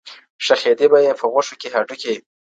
ښخېدی به یې په غوښو کي هډوکی.